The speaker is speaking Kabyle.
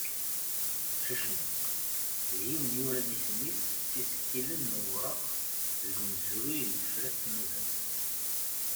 Cacnaq, d yiwen yuran isem-is s yisekkilen n ureɣ deg umezruy n Tefriqt n Ugafa.